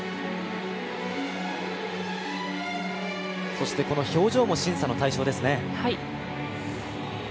そしてこの表情も審査の対象ですね。